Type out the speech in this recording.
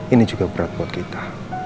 ini juga berat buat kita